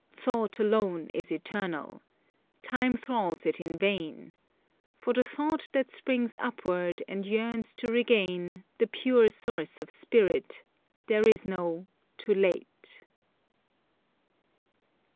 Thought alone is eternal. Time thralls it in vain. For the thought that springs upward and yearns to regain The pure source of spirit, there is no TOO LATE."